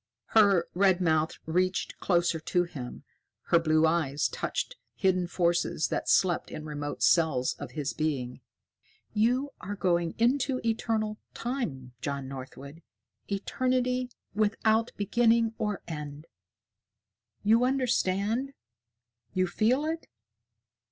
Her red mouth reached closer to him, her blue eyes touched hidden forces that slept in remote cells of his being. "You are going into Eternal Time, John Northwood, Eternity without beginning or end. You understand? You feel it?